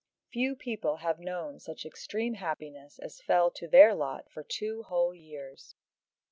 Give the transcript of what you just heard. Few people have known such extreme happiness as fell to their lot for two whole years.